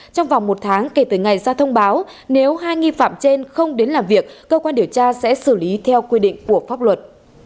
trong vòng một tháng kể từ ngày ra thông báo nếu hai nghi phạm trên không đến làm việc cơ quan điều tra sẽ xử lý theo quy định của pháp luật